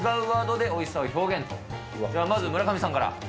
ではまず村上さんから。